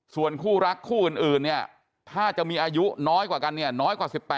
ส่วนคู่รักคู่อื่นเนี่ยถ้าจะมีอายุน้อยกว่ากันเนี่ยน้อยกว่า๑๘